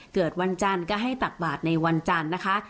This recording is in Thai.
เกิดวันจันทร์ก็ให้ตักบาทในวันจันทร์นะคะ